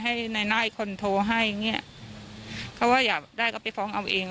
ให้นายหน้าอีกคนโทรให้อย่างเงี้ยเขาว่าอยากได้ก็ไปฟ้องเอาเอง